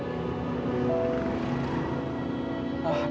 nona udah pulang